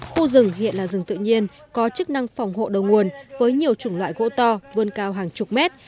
khu rừng hiện là rừng tự nhiên có chức năng phòng hộ đầu nguồn với nhiều chủng loại gỗ to vươn cao hàng chục mét